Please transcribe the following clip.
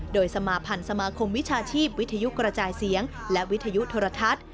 โดยสมาพันธ์สมาคมวิชาชีพวิทยุกระจายเสียงและวิทยุโทรทัศน์